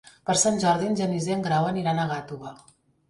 Per Sant Jordi en Genís i en Grau aniran a Gàtova.